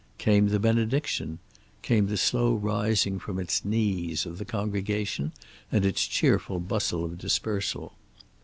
Came the benediction. Came the slow rising from its knees of the congregation and its cheerful bustle of dispersal.